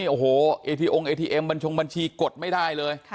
โอ้โหนเอทีเอมบัญชงบัญชีกดไม่ได้เลย